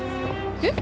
えっ？